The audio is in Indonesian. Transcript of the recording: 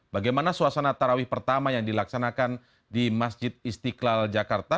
bagaimana suasana tarawih pertama yang dilaksanakan di masjid istiqlal jakarta